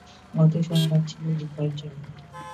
গত সোমবার ছিল লুকার জন্মদিন।